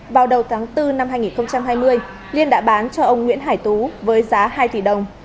vào đầu tháng bốn năm hai nghìn hai mươi liên đã bán cho ông nguyễn hải tú với giá hai tỷ đồng